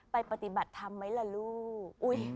ไปปฏิบัติทำไหมล่ะลูก